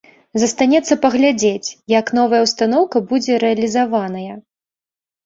Застанецца паглядзець, як новая ўстаноўка будзе рэалізаваная.